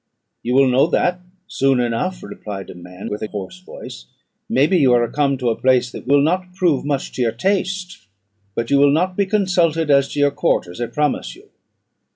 "You will know that soon enough," replied a man with a hoarse voice. "May be you are come to a place that will not prove much to your taste; but you will not be consulted as to your quarters, I promise you."